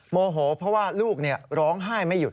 โมโหเพราะว่าลูกร้องไห้ไม่หยุด